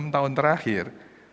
enam tahun terakhir